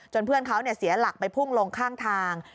เพื่อนเขาเสียหลักไปพุ่งลงข้างทาง